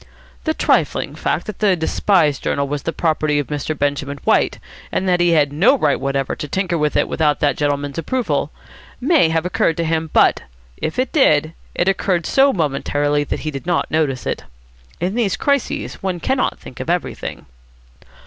The trifling fact that the despised journal was the property of Mr. Benjamin White, and that he had no right whatever to tinker with it without that gentleman's approval, may have occurred to him, but, if it did, it occurred so momentarily that he did not notice it. In these crises one cannot think of everything.